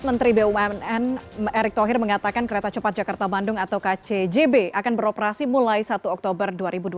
menteri bumn erick thohir mengatakan kereta cepat jakarta bandung atau kcjb akan beroperasi mulai satu oktober dua ribu dua puluh